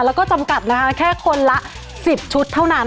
แล้วก็จำกัดนะคะแค่คนละ๑๐ชุดเท่านั้น